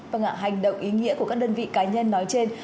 vâng ạ hành động ý nghĩa của các đơn vị cá nhân nói trên